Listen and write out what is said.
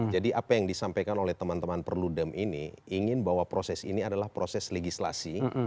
jadi apa yang disampaikan oleh teman teman perludem ini ingin bahwa proses ini adalah proses legislasi